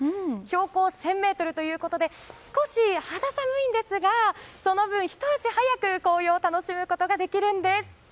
標高１０００ｍということで少し肌寒いんですがその分、ひと足早く紅葉を楽しむことができるんです。